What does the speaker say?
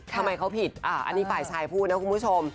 ทำไมเขาผิดอันนี้ฝ่ายชายพูดนะคุณผู้ชม